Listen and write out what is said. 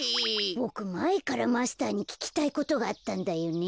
ボクまえからマスターにききたいことがあったんだよね。